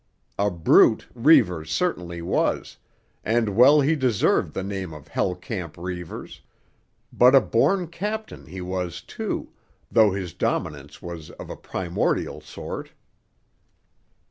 A brute Reivers certainly was, and well he deserved the name of Hell Camp Reivers; but a born captain he was, too, though his dominance was of a primordial sort.